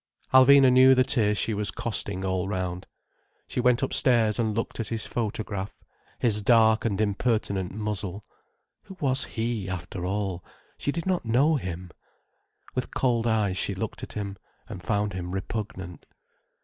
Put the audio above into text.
Alvina knew the tears she was costing all round. She went upstairs and looked at his photograph—his dark and impertinent muzzle. Who was he, after all? She did not know him. With cold eyes she looked at him, and found him repugnant.